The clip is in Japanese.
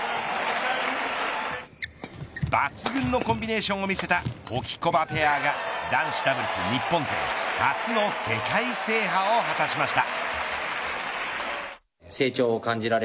抜群のコンビネーションを見せたホキコバペアが男子ダブルス日本勢初の世界制覇を果たしました。